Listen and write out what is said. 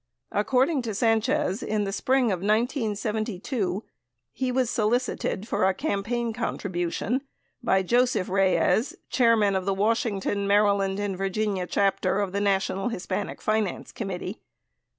According to Sanchez, in the spring of 1972 he was solicited for a campaign con tribution by Joseph Reyes, chairman of the Washington, Maryland, and Virginia Chapter of the National Hispanic Finance Committee.